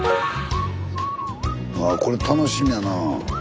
あこれ楽しみやな。